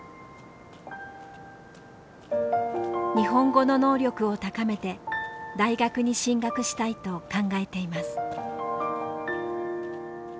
日本語の能力を高めて大学に進学したいと考えています。